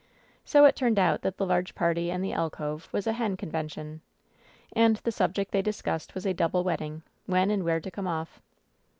So it turned out that the large party in the alcove was a ^^hen convention." And the subject they discussed was a double wedding, when and where to come off.